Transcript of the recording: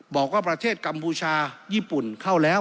บอกว่าประเทศกัมพูชาญี่ปุ่นเข้าแล้ว